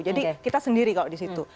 jadi kita sendiri kalau di situ